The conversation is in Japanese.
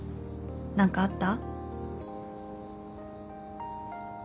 何かあった？」